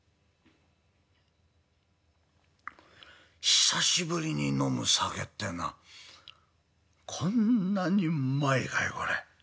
「久しぶりに飲む酒ってえのはこんなにうまいかよこれ。